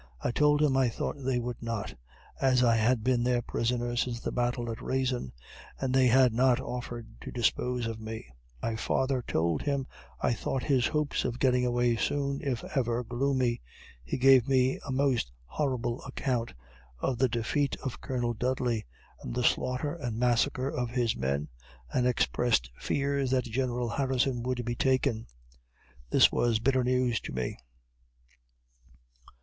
I told him I thought they would not, as I had been their prisoner since the battle at Raisin, and they had not offered to dispose of me. I farther told him I thought his hopes of getting away soon, if ever, gloomy. He gave me a most horrible account of the defeat of Colonel Dudley, and the slaughter and massacre of his men and expressed fears that General Harrison would be taken. This was bitter news to me.